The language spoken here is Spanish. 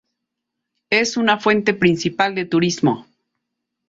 Es una fuente principal de turismo.